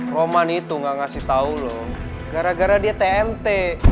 roman itu gak ngasih tau loh gara gara dia tmt